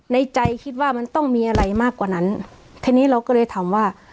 ในใจคิดว่ามันต้องมีอะไรมากกว่านั้นทีนี้เราก็เลยถามว่า